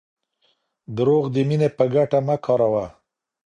دروغ د مینې په ګټه مه کاروه.